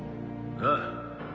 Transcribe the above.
ああ。